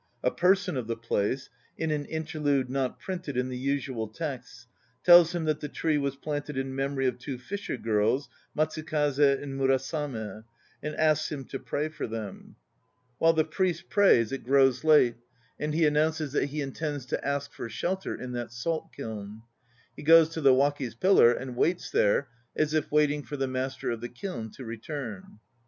A "person of the place" (in an interlude not printed in the usual texts) tells him that the tree was planted in memory of two fisher girls, Matsukaze, and Murasame, and asks him to pray for them. While the priest prays it grows 226 SUMMARIES 227 that salt kiln." He goes to the "waki's pillar" and waits there as if waiting for the master of the kiln to return.